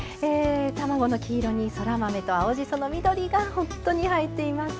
卵の黄色にそら豆と青じその緑がほんとに映えています。